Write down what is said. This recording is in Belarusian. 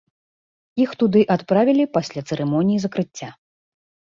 Іх туды адправілі пасля цырымоніі закрыцця.